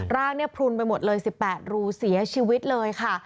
ร่างเนี่ยพลุนไปหมดเลย๑๘รูเสียชีวิตเลยค่ะ